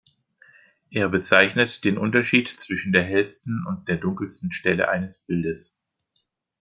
Er bezeichnet den Unterschied zwischen der hellsten und der dunkelsten Stelle eines Bildes.